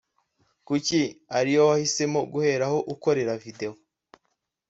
Kuki ari yo wahisemo guheraho ukorera video